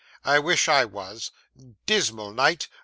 I wish I was. Dismal night.